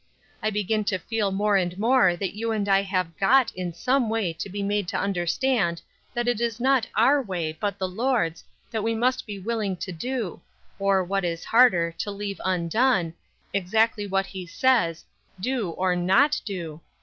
I begin to feel more and more that you and I have got in some way to be made to understand that it is not our way, but the Lord's, that we must be willing to do, or, what is harder, to leave undone, exactly what he says, do or not do.